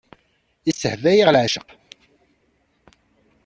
Isbehba-yaɣ leɛceq.